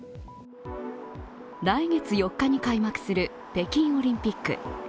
来月４日に開幕する北京オリンピック。